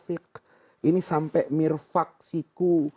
ini sampai mirfak siku